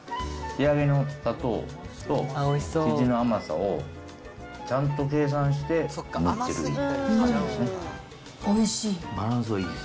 仕上げの砂糖と生地の甘さをちゃんと計算して塗ってるんで。